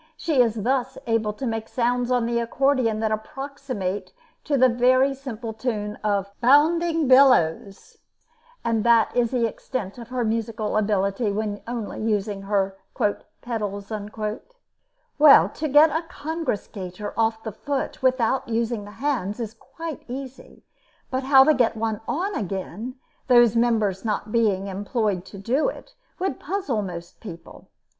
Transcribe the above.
She is thus able to make sounds on the accordeon that approximate to the very simple tune of "Bounding Billows," and that is the extent of her musical ability when only using her "pedals." To get a congress gaiter off the foot without using the hands is quite easy; but how to get one on again, those members not being employed to do it, would puzzle most people.